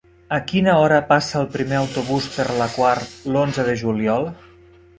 A quina hora passa el primer autobús per la Quar l'onze de juliol?